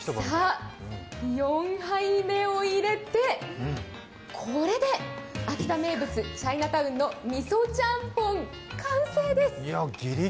４杯目を入れて、これで秋田名物チャイナタウンのみそチャンポン、完成です。